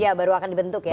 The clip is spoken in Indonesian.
ya baru akan dibentuk ya